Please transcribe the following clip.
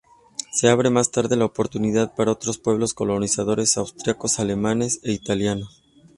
Se abre más tarde la oportunidad para otros pueblos colonizadores: austríacos, alemanes e italianos.